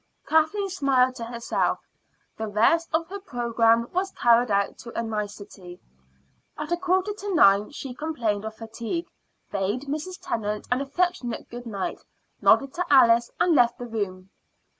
Kathleen smiled to herself. The rest of her programme was carried out to a nicety. At a quarter to nine she complained of fatigue, bade Mrs. Tennant an affectionate good night, nodded to Alice, and left the room.